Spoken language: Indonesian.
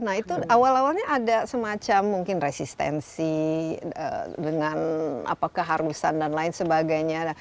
nah itu awal awalnya ada semacam mungkin resistensi dengan keharusan dan lain sebagainya